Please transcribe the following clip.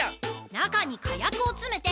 中に火薬をつめて。